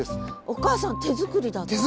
お母さん手作りだったの？